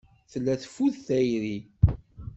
Tella teffud tayri.